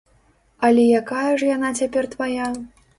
Але якая ж яна цяпер твая.